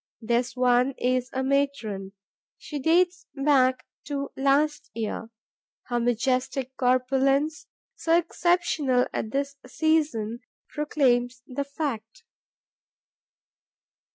This one is a matron; she dates back to last year; her majestic corpulence, so exceptional at this season, proclaims the fact.